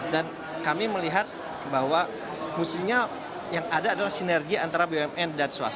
dan kami melihat bahwa mustinya yang ada adalah sinergi antara bumn